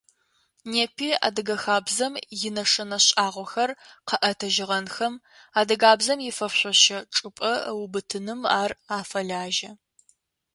Непи адыгэ хабзэм инэшэнэ шӏагъохэр къэӏэтыжьыгъэнхэм, адыгабзэм ифэшъошэ чӏыпӏэ ыубытыным ар афэлажьэ.